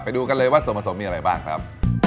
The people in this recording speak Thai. ดูกันเลยว่าส่วนผสมมีอะไรบ้างครับ